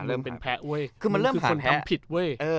เริ่มเป็นแพ้เว้ยคือมันเริ่มคือคนทำผิดเว้ย